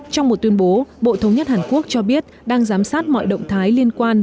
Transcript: trong một tuyên bố bộ thống nhất hàn quốc cho biết đang giám sát mọi động thái liên quan